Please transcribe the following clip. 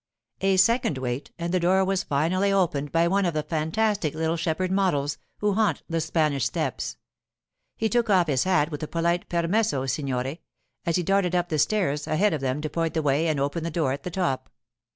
A second wait, and the door was finally opened by one of the fantastic little shepherd models, who haunt the Spanish steps. He took off his hat with a polite 'Permesso, signore,' as he darted up the stairs ahead of them to point the way and open the door at the top.